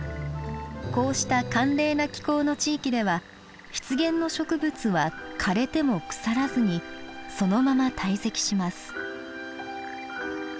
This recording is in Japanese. こうした寒冷な気候の地域では湿原の植物は枯れても腐らずにそのまま堆積します。